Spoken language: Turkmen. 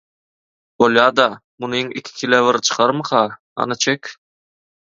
– Bolýa-da. Munyň iki kile bir çykarmyka, hany çek.